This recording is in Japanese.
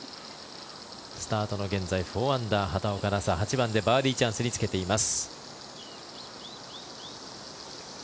スタートの現在４アンダー畑岡奈紗８番でバーディーチャンスにつけています。